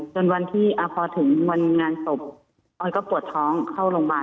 พอที่มาเอะใจตอนน้องเบ็บอินบุญ